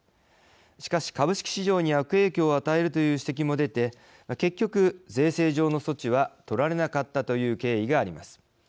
しかし、株式市場に悪影響を与えるという指摘も出て結局、税制上の措置はとられなかったという経緯があります。